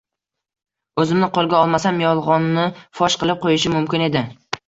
o`zimni qo`lga olmasam, yolg`onnni fosh qilib qo`yishim mumkin edi